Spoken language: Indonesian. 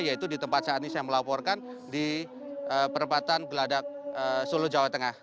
yaitu di tempat saat ini saya melaporkan di perempatan geladak solo jawa tengah